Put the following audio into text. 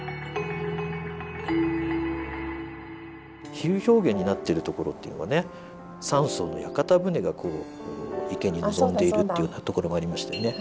比喩表現になってるところっていうのはね三層の屋形船がこう池に臨んでいるっていうところがありましたよね。